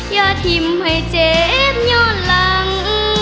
ยาทิมให้เจ็บโยนหลัง